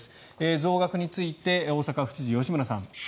増額について大阪府知事、吉村さん。